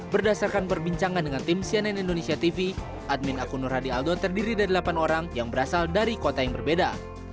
berdasarkan perbincangan dengan tim cnn indonesia tv admin akunur hadi aldo terdiri dari delapan orang yang berasal dari kota yang berbeda